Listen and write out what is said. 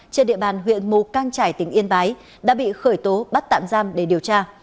trên địa bàn huyện mù căng trải tỉnh yên bái đã bị khởi tố bắt tạm giam để điều tra